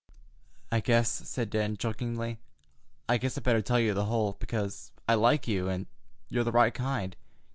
"I guess," said Dan chokingly—"I guess I better tell you the whole, because I like you, and you're the right kind.